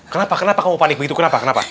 kenapa kenapa kamu panik begitu kenapa kenapa